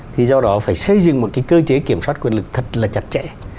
thì do đó phải xây dựng một cái cơ chế kiểm soát quyền lực thật là chặt chẽ